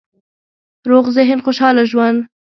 روغ ذهن، خوشحاله ژوند